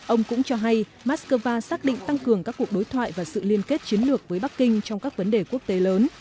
ông cũng cho hay moscow xác định tăng cường các cuộc đối thoại và sự liên kết chiến lược với bắc kinh trong các vấn đề quốc tế lớn